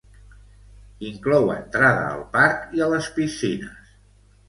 Inclou entrada al parc i a les piscines.